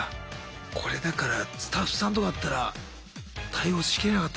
これだからスタッフさんとかだったら対応しきれなかったでしょうね。